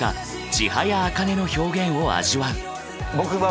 千早茜の表現を味わう。